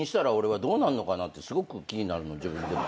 すごく気になるの自分でも。